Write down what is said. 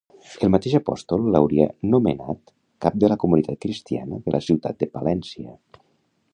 El mateix apòstol l'hauria nomenat cap de la comunitat cristiana de la ciutat de Palència.